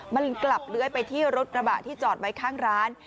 มันกลับเลื้อยไปที่รถกระบะที่จอดไว้ข้างร้าน